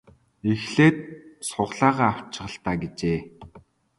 Эхлээд сугалаагаа авчих л даа гэжээ.